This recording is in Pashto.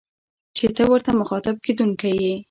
چي ته ورته مخاطب کېدونکی يې